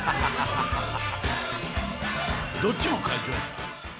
どっちも会長やった？